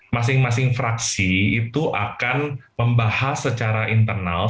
masing masing fraksi itu akan membahas secara internal